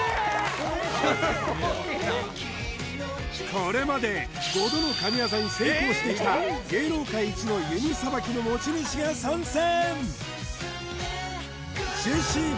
これまで５度の神業に成功してきた芸能界イチの弓さばきの持ち主が参戦！